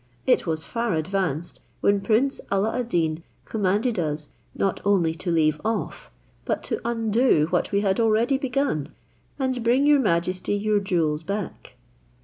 It was far advanced, when prince Alla ad Deen commanded us not only to leave off, but to undo what we had already begun, and bring your majesty your jewels back."